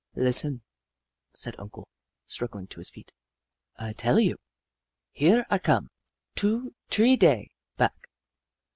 " Listen," said Uncle, struggling to his feet. " I tella you. Here I come two, tree day back.